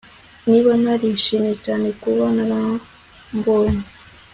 Niba yarishimye cyane kuba yarambonye